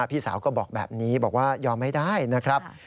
พี่สาวก็บอกแบบนี้บอกว่ายอมไม่ได้นะครับ